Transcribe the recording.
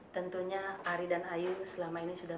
tentunya ari dan ayu selama ini sudah